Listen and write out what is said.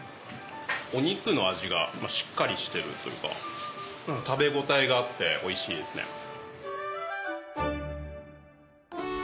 お肉の味がしっかりしてるというか食べ応えがあっておいしいですね。